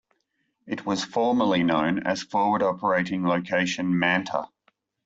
It was formally known as Forward Operating Location Manta.